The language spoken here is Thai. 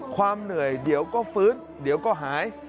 ความเหนื่อยเดี๋ยวก็ฟื้นเดี๋ยวก็หาย